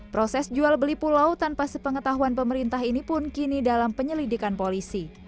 proses jual beli pulau tanpa sepengetahuan pemerintah ini pun kini dalam penyelidikan polisi